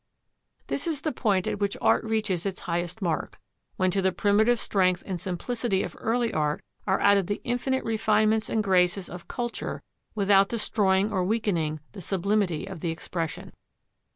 This is the point at which art reaches its highest mark: when to the primitive strength and simplicity of early art are added the infinite refinements and graces of culture without destroying or weakening the sublimity of the expression.